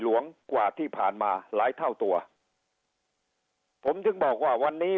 หลวงกว่าที่ผ่านมาหลายเท่าตัวผมถึงบอกว่าวันนี้